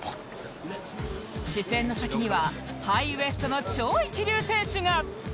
視線の先にはハイウエストの超一流選手が